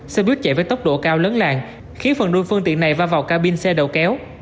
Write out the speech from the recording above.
xe buýt chạy với tốc độ cao lớn làng khiến phần đôi phương tiện này va vào ca bin xe đầu kéo